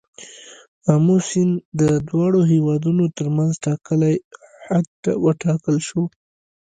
آمو سیند د دواړو هیوادونو تر منځ ټاکلی حد وټاکل شو.